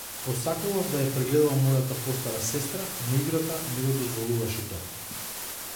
Посакував да ја прегледувам мојата постара сестра, но играта не го дозволуваше тоа.